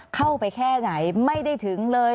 เข้าไปแค่ไหนไม่ได้ถึงเลย